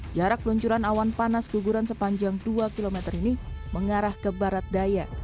jarak peluncuran awan panas guguran sepanjang dua km ini mengarah ke barat daya